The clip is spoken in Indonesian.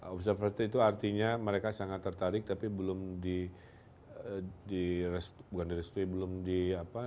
observer itu artinya mereka sangat tertarik tapi belum di bukan di restri belum di apa